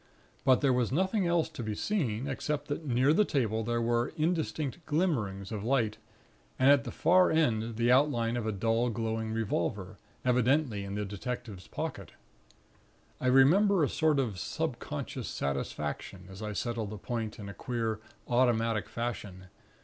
But there was nothing else to be seen, except that near the table there were indistinct glimmerings of light, and at the far end the outline of a dull glowing revolver, evidently in the detective's pocket. I remember a sort of subconscious satisfaction, as I settled the point in a queer automatic fashion.